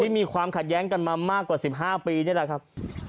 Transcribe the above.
อ๋อที่มีความขัดแย้งมากกว่า๑๕ปีนี่แหละครับ